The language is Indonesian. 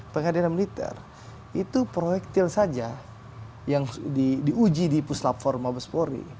pengadilan militer itu proyektil saja yang diuji di puslat formabespori